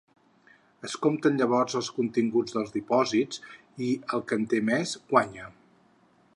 Es compten llavors els continguts dels dipòsits i, el que en té més, guanya.